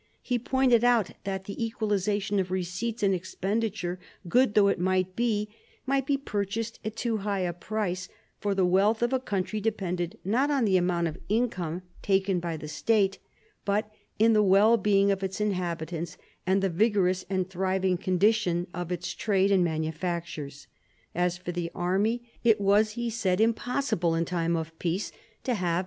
He pointed out that the equalisation of receipts and expenditure, good though it might be, might be purchased at too high a price; for the wealth of a country depended not on the amount of income taken by the State, but in the well being of its inhabitants and the vigorous and thriving condition of its trade and manufactures. As for the army, «t was, he said, im possible in time of peace to have